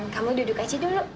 kamu duduk aja dulu